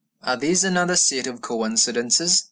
Are these another set of coincidences?